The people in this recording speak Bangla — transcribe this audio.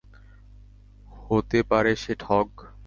হতে পারে সে ঠগ?